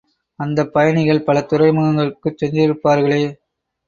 அந்தப் பயணிகள் பல துறைமுகங்கட்குச் சென்றிருப்பார்களே.